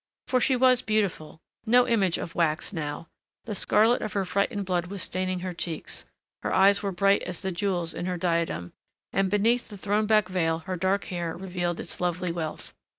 For she was beautiful. No image of wax now. The scarlet of her frightened blood was staining her cheeks, her eyes were bright as the jewels in her diadem, and beneath the thrown back veil her dark hair revealed its lovely wealth.